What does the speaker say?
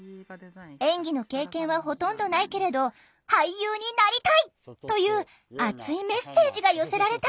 演技の経験はほとんどないけれど俳優になりたいという熱いメッセージが寄せられた